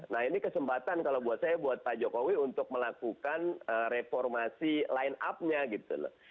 nah ini kesempatan kalau buat saya buat pak jokowi untuk melakukan reformasi line up nya gitu loh